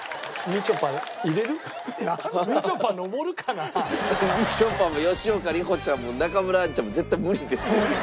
みちょぱも吉岡里帆ちゃんも中村アンちゃんも絶対無理ですよ。